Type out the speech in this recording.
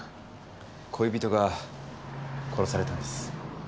恋人が殺されたんです。